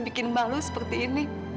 bikin malu seperti ini